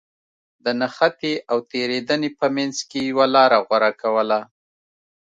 د نښتې او تېرېدنې په منځ کې يوه لاره غوره کوله.